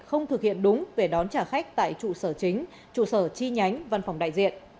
không thực hiện đúng về đón trả khách tại trụ sở chính trụ sở chi nhánh văn phòng đại diện